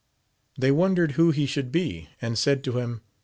They wondered who he should be, and said to him.